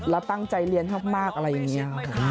แล้วตั้งใจเรียนมากอะไรอย่างนี้ค่ะ